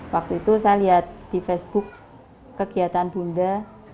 waktu itu saya lihat di facebook kegiatan bunda